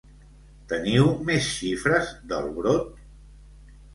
Teniu més xifres del brot?